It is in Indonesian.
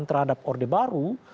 terhadap orde baru